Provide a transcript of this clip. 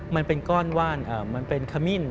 มันเป็นก้อนว่านมันเป็นขมิ้น